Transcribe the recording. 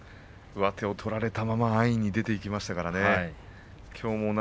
上手を取られたまま安易に出ていきましたからね。